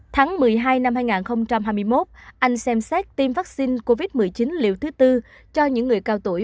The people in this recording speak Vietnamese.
tháng một mươi hai năm hai nghìn hai mươi một anh xem xét tiêm vắc xin covid một mươi chín liều thứ bốn cho những người cao tuổi